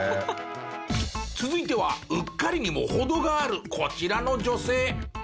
続いてはうっかりにも程があるこちらの女性。